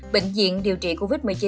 bệnh viện điều trị covid một mươi chín